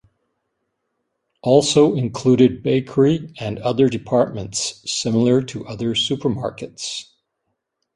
Also included bakery and other departments similar to other supermarkets.